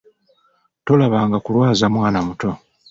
Tolabanga kulwaza mwana muto!